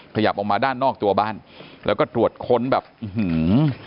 ขยับออกมาด้านนอกตัวบ้านแล้วก็ตรวจค้นแบบอื้อหือ